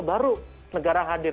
baru negara hadir